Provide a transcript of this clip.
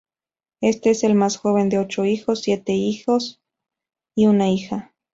Este es el más joven de ocho hijos, siete hijos y una hija.